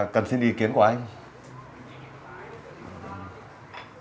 cần xin ý kiến của anh